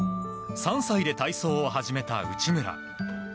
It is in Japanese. ３歳で体操を始めた内村。